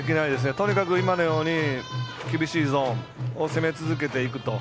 とにかく厳しいゾーンを攻め続けていくと。